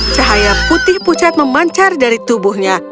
cahaya putih pucat memancar dari tubuhnya